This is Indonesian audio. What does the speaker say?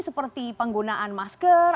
seperti penggunaan masker